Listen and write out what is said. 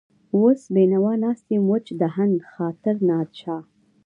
وس بېنوا ناست يم وچ دهن، خاطر ناشاده